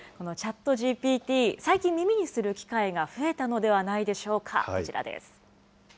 このＣｈａｔＧＰＴ、最近耳にする機会が増えたのではないでしょうか。